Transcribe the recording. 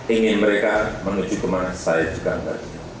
ingin mereka menuju kemana saya juga enggak